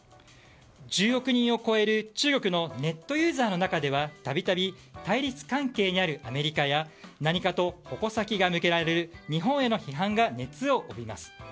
１０億人を超える中国のネットユーザーの中では度々、対立関係にあるアメリカや何かと矛先が向けられる日本への批判が熱を帯びます。